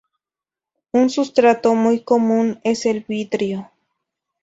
Un sustrato muy común es el vidrio.